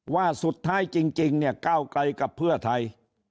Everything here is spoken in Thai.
ว่าสุดท้ายจริงเนี่ยก้าวไกลกับเพื่อไทย